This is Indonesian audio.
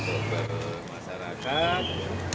untuk berumah masyarakat